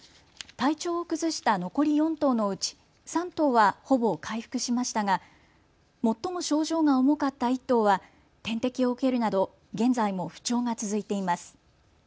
体調を崩した残り４頭のうち３頭はほぼ回復しましたが最も症状が重かった１頭は点滴を受けるなど現在も不調が続いています。